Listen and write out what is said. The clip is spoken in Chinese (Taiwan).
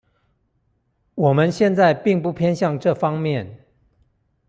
我們現在並不偏向這方面